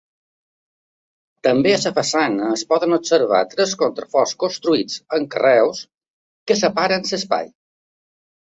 També, a la façana es poden observar tres contraforts construïts, amb carreus, que separen l'espai.